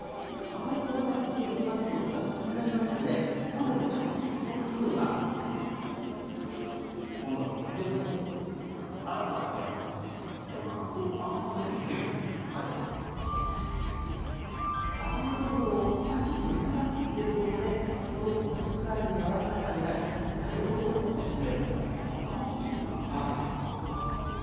あまり長くつけすぎますと酢がきつくなりますのでここでもちょっと一工夫があるんです頭の部分を３０分長くつけることで身と同じくらいのやわらかさになり丸ごと楽しめるんだそうです